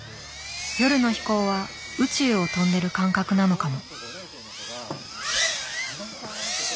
夜の飛行は宇宙を飛んでる感覚なのかも。